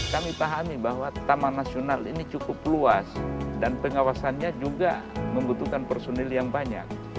kami pahami bahwa taman nasional ini cukup luas dan pengawasannya juga membutuhkan personil yang banyak